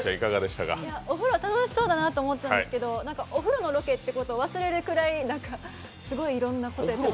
お風呂楽しそうだなと思ったんですけど、お風呂のロケってことを忘れるぐらいすごいいろんなことやってました。